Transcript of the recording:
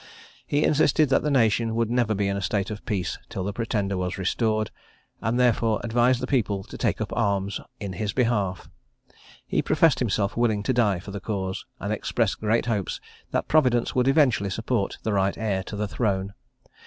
He insisted that the nation would never be in a state of peace till the Pretender was restored, and therefore advised the people to take up arms in his behalf. He professed himself willing to die for the cause, and expressed great hopes that Providence would eventually support the right heir to the throne.